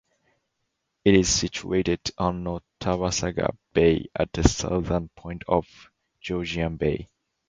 It is situated on Nottawasaga Bay at the southern point of Georgian Bay.